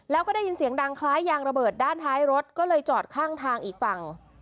แล้วก็ได้ยินเสียงดังคล้ายยางระเบิดด้านท้ายรถก็เลยจอดข้างทางอีกฝั่ง